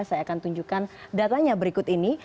saya akan tunjukkan datanya berikut ini